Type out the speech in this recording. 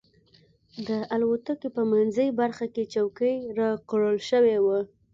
د الوتکې په منځۍ برخه کې چوکۍ راکړل شوې وه.